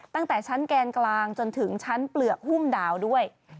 ตั้งแต่ชั้นแกนกลางจนถึงชั้นเปลือกหุ้มดาวด้วย